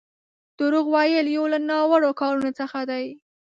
دروغ ويل يو له ناوړو کارونو څخه دی.